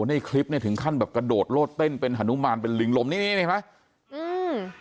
ในคลิปเนี่ยถึงขั้นแบบกระโดดโลดเต้นเป็นฮานุมานเป็นลิงลมนี่นี่เห็นไหมอืม